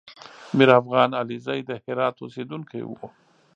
میرافغان علیزی د هرات اوسېدونکی و